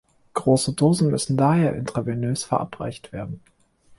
Große Dosen müssen daher intravenös verabreicht werden.